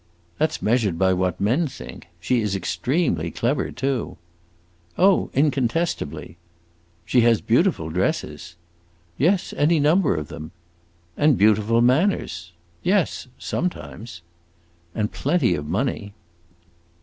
"That 's measured by what men think! She is extremely clever, too." "Oh, incontestably." "She has beautiful dresses." "Yes, any number of them." "And beautiful manners." "Yes sometimes." "And plenty of money."